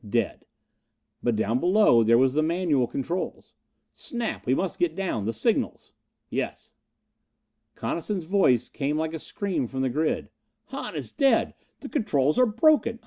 Dead.... But down below there was the manual controls. "Snap, we must get down. The signals." "Yes." Coniston's voice came like a scream from the grid. "Hahn is dead the controls are broken!